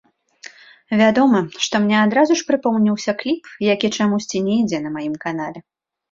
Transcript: Вядома, што мне адразу ж прыпомніўся кліп, які чамусьці не ідзе на маім канале.